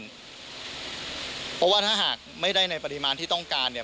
เพราะว่าถ้าหากไม่ได้ในปริมาณที่ต้องการเนี่ย